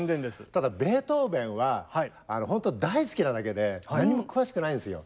ただベートーベンはあのほんと大好きなだけで何も詳しくないですよ。